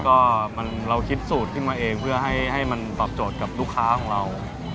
ก็เราคิดสูตรขึ้นมาเองเพื่อให้มันตอบโจทย์กับลูกค้าของเรา